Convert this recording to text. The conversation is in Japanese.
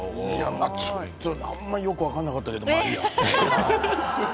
ちょっとあんまりよく分からなかったけど、まあいいや。